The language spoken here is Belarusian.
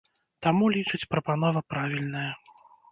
Таму, лічыць, прапанова правільная.